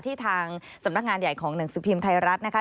ทางสำนักงานใหญ่ของหนังสือพิมพ์ไทยรัฐนะคะ